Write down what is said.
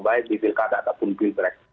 baik di pilkada ataupun pilpres